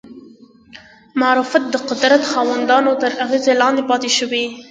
معرفت د قدرت خاوندانو تر اغېزې لاندې پاتې شوی